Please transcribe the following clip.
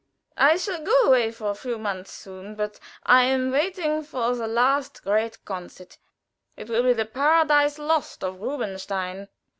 I shall go away for a few months soon, but I am waiting for the last great concert. It will be the 'Paradise Lost' of Rubinstein."